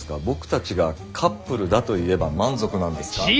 僕たちがカップルだと言えば満足なんですか？